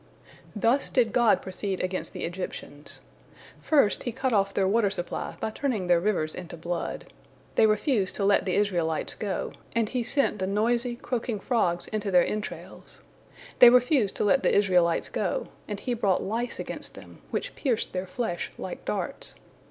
Thus did God proceed against the Egyptians. First He cut off their water supply by turning their rivers into blood. They refused to let the Israelites go, and He sent the noisy, croaking frogs into their entrails. They refused to let the Israelites go, and He brought lice against them, which pierced their flesh like darts.